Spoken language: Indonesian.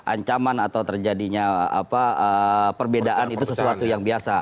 ancaman atau terjadinya perbedaan itu sesuatu yang biasa